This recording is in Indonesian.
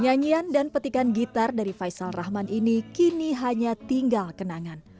nyanyian dan petikan gitar dari faisal rahman ini kini hanya tinggal kenangan